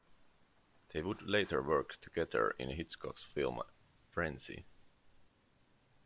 They would later work together in Hitchcock's film "Frenzy".